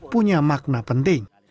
punya makna penting